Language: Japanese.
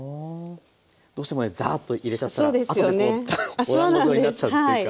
どうしてもねザーッと入れちゃったら後でこうおだんご状になっちゃうというか。